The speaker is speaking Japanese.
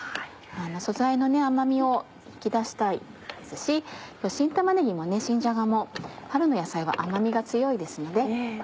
素材の甘みを引き出したいですし新玉ねぎも新じゃがも春の野菜は甘みが強いですので。